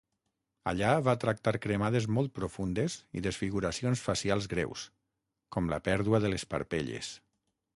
Allà, va tractar cremades molt profundes i desfiguracions facials greus, com la pèrdua de les parpelles.